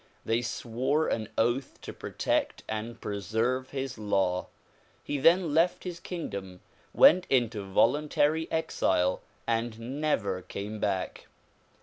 They swore an oath to protect and preserve his law. He then left his kingdom, went into voluntary exile and never came back.